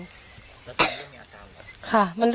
วันนี้เริ่มมีอาการคะ